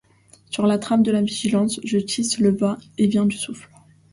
Sur la trame de la vigilance, je tisse le va-et-vient du souffle.